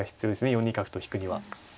４二角と引くには。